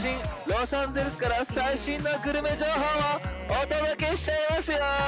ロサンゼルスから最新のグルメ情報をお届けしちゃいますよ